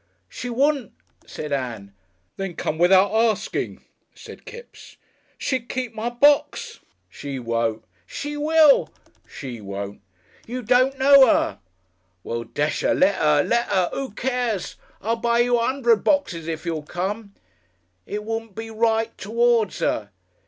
"She wouldn't," said Ann. "Then come without arsting," said Kipps. "She's keep my box " "She won't." "She will." "She won't." "You don't know 'er." "Well, desh'er let'er! LET'ER! Who cares? I'll buy you a 'undred boxes if you'll come." "It wouldn't be right towards Her."